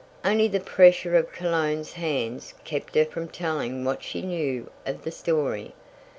Only the pressure of Cologne's hands kept her from telling what she knew of the story.